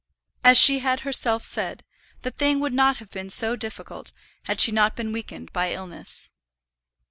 As she had herself said, the thing would not have been so difficult, had she not been weakened by illness.